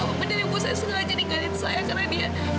apa benar ibu saya sengaja ninggalin saya karena dia